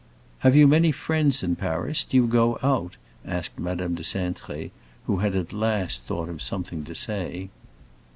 "Have you many friends in Paris; do you go out?" asked Madame de Cintré, who had at last thought of something to say.